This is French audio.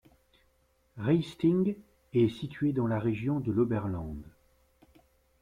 Raisting est situé dans la région de l'Oberland.